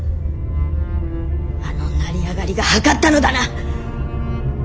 あの成り上がりがはかったのだな！